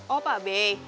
oh pak abey